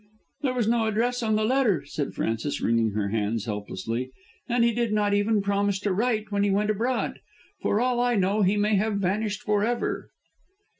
"There was no address on the letter," said Frances, wringing her hands helplessly, "and he did not even promise to write when he went abroad. For all I know he may have vanished for ever."